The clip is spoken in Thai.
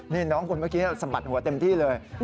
นี่น้องคนเมื่อกี้สะบัดหัวเต็มที่เลย